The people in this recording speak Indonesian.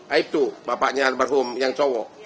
aibtu bapaknya almarhum yang cowok